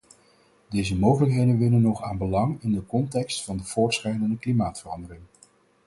Deze mogelijkheden winnen nog aan belang in de context van de voortschrijdende klimaatverandering.